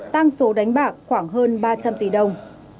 tăng số đánh bạc khoảng hơn ba trăm linh tỷ đồng